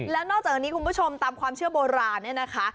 แล้วนอกจากนี้คุณผู้ชมตามความเชื่อโบราณเนี่ยนะคะ